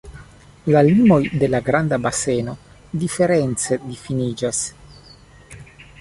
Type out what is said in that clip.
La limoj de la Granda Baseno diference difiniĝas.